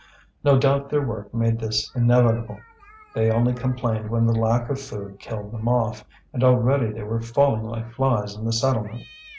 No doubt their work made this inevitable; they only complained when the lack of food killed them off; and already they were falling like flies in the settlement.